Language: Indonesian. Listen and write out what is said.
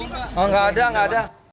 kalau nggak ada nggak ada